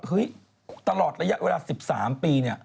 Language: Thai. เฮ้ยตลอดระยะเวลา๑๓ปี